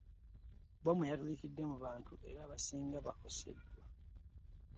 Bbomu yatulikidde mu bantu era abasing bakosedwa.